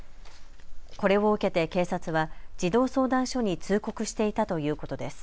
これを受けて警察は児童相談所に通告していたということです。